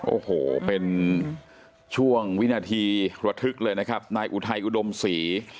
โอ้โหเป็นช่วงวินาทีระทึกเลยนะครับนายอุทัยอุดมศรี